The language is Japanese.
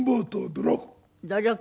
努力。